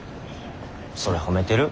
それ褒めてる？